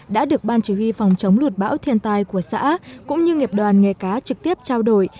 đã được ban chỉ huy phòng chống lụt bão thiên tai của xã cũng như nghiệp đoàn nghề cá trực tiếp trao đổi